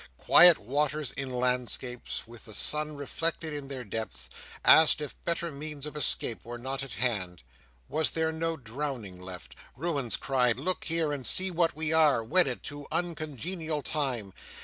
Quiet waters in landscapes, with the sun reflected in their depths, asked, if better means of escape were not at hand, was there no drowning left? Ruins cried, "Look here, and see what We are, wedded to uncongenial Time!"